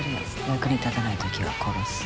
役に立たないときは殺す。